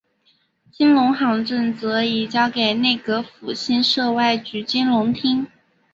金融行政则移交给内阁府新设外局金融厅。